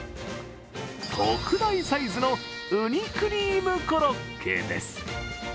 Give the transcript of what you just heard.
特大サイズのうにクリームコロッケです。